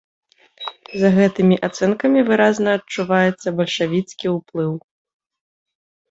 За гэтымі ацэнкамі выразна адчуваецца бальшавіцкі ўплыў.